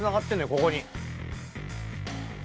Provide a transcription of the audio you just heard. ここに。